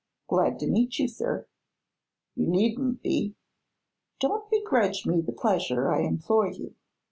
Glad to meet you, sir." "You needn't be." "Don't begrudge me the pleasure, I implore you.